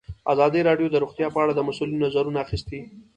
ازادي راډیو د روغتیا په اړه د مسؤلینو نظرونه اخیستي.